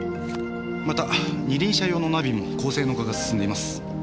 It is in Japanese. また二輪車用のナビも高性能化が進んでいます。